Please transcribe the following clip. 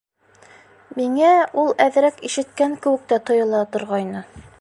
Миңә ул әҙерәк ишеткән кеүек тә тойола торғайны.